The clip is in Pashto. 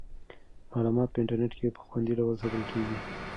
معلومات په انټرنیټ کې په خوندي ډول ساتل کیږي.